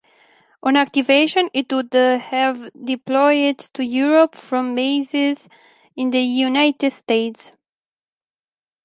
On activation, it would have deployed to Europe from bases in the United States.